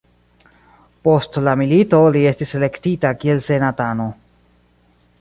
Post la milito li estis elektita kiel senatano.